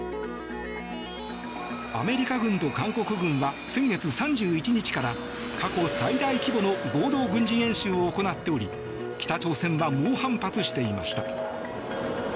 アメリカ軍と韓国軍は先月３１日から過去最大規模の合同軍事演習を行っており北朝鮮は猛反発していました。